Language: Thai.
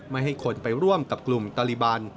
ไม่ให้คนไปร่วมกับกลุ่มตะลิบัน